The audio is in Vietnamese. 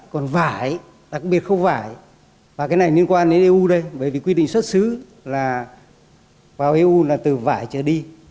còn vải đặc biệt khâu vải và cái này liên quan đến eu đây bởi vì quy định xuất xứ là vào eu là từ vải trở đi